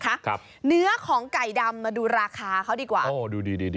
ขึ้นนะคะครับเนื้อของไก่ดำมาดูราคาเขาดีกว่าอ๋อดูดีดีดี